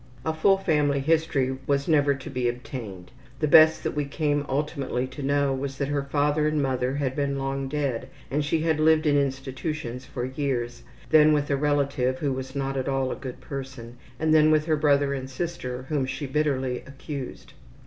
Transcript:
A full family history was never to be obtained. The best that we came ultimately to know was that her father and mother had been long dead and she had lived in institutions for years, then with a relative who was not at all a good person, and then with her brother and sister, whom she bitterly accused.